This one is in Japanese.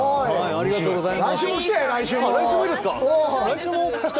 ありがとうございます